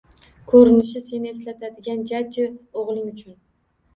Ko`rinishi seni eslatadigan jajji o`g`ling uchun